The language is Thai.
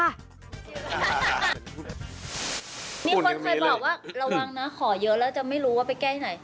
มีคนเคยบอกว่าระวังนะขอเยอะแล้วจะไม่รู้ว่าไปแก้ที่ไหน